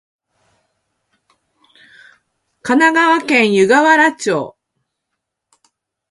神奈川県湯河原町